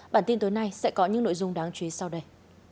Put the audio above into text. bản tin tối nay sẽ có những nội dung đáng chú ý sau đây